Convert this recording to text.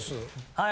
はい。